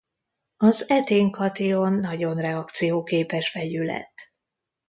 Az etén kation nagyon reakcióképes vegyület.